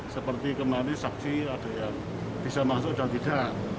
seperti kemarin saksi ada yang bisa masuk dan tidak